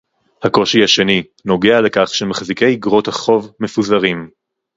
הקושי השני נוגע לכך שמחזיקי איגרות החוב מפוזרים